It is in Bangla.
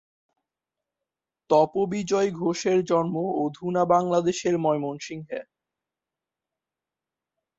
তপোবিজয় ঘোষের জন্ম অধুনা বাংলাদেশের ময়মনসিংহে।